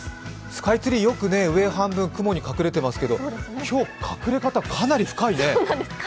スカイツリーよく上半分、雲に隠れていますけど、今日隠れ方、かなり深いね。